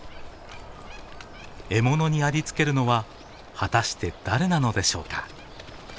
獲物にありつけるのは果たして誰なのでしょうか？